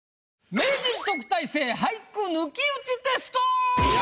「名人特待生俳句抜き打ちテスト」！